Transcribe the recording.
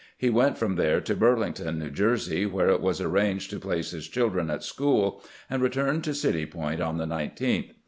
He went from there to Burlington, New Jersey, where it was arranged to place his children at school, and returned to City Point on the 19th.